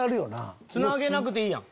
つなげなくていいやん。